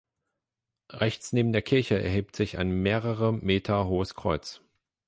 Rechts neben der Kirche erhebt sich ein mehrere Meter hohes Kreuz.